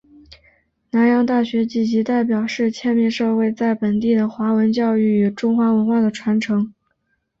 南洋大学及其所代表是迁民社会在本地的华文教育与中华文化的传承。